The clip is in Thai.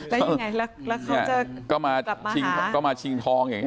แล้วยังไงแล้วเขาจะกลับมาหาก็มาชิงทองอย่างเงี้ย